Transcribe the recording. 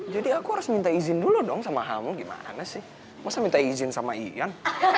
jadi aku harus minta izin dulu dong sama kamu gimana sih masa minta izin sama ian